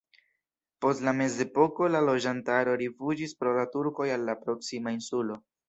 Post la mezepoko la loĝantaro rifuĝis pro la turkoj al la proksima insulo.